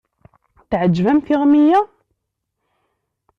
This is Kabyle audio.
Teɛǧeb-am tiɣmi-ya?